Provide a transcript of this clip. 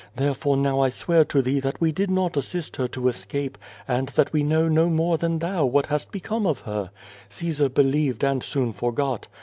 Therefore now I swear to thee that we did not assist her to escape and that we know no more than thou what has become of her! Caesar believed, and soon forgot.